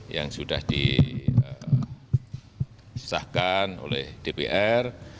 yang sudah disahkan oleh dpr